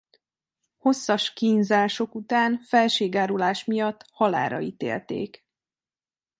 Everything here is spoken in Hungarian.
Hosszas kínzások után felségárulás miatt halálra ítélték.